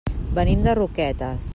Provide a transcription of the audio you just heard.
Venim de Roquetes.